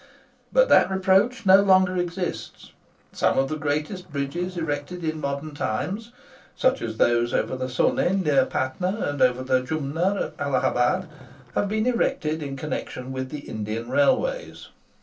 But that reproach no longer exists. Some of the greatest bridges erected in modern times—such as those over the Sone near Patna, and over the Jumna at Allahabad—have been erected in connection with the Indian railways.